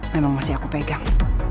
memang masih aku pegang